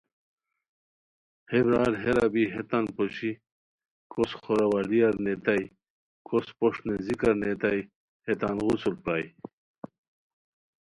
ہے برار ہیرا بی ہیتان پوشی کوس خورا والیار نیتائے، کوس پوݰ نیزیکار نیتائے، ہیتان غسل پرائے